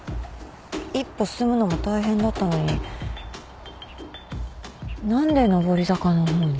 一歩進むのも大変だったのに何で上り坂の方に？